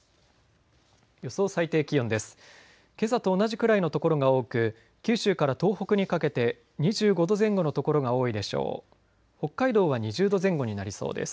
予想最低気温です。